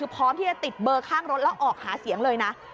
พร้อมที่จะติดเบอร์ข้างรถแล้วออกหาเสียงเลยนะ